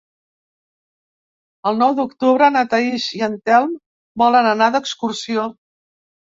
El nou d'octubre na Thaís i en Telm volen anar d'excursió.